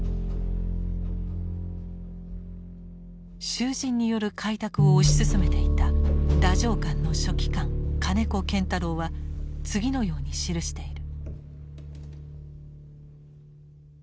囚人による開拓を推し進めていた太政官の書記官金子堅太郎は次のように記している。